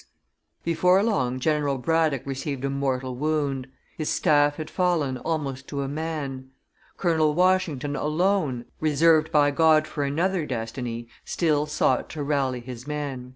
[Illustration: Death of General Braddock 203] Before long General Braddock received a mortal wound; his staff had fallen almost to a man; Colonel Washington alone, reserved by God for another destiny, still sought to rally his men.